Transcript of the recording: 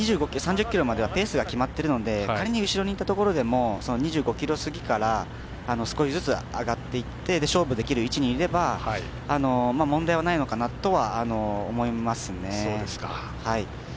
３０ｋｍまではペースが決まっているので仮に後ろにいても２５ｋｍ過ぎから少しずつ上がっていって勝負できる位置にいれば問題はないのかなとは思いますね。